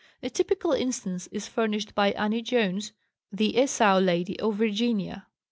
A typical instance is furnished by Annie Jones, the "Esau Lady" of Virginia.